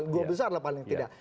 dua besar lah paling tidak